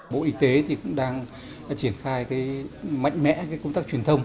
bộ y tế đang triển khai mạnh mẽ công tác truyền thông